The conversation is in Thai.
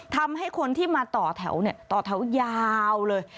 ทำให้คนที่มาต่อแถวต่อแถวยาวเลย